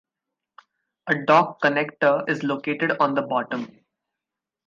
A dock connector is located on the bottom.